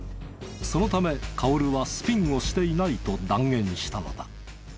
そのため薫はスピンをしていないと断言したのだ。